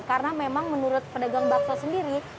karena memang menurut pedagang bakso sendiri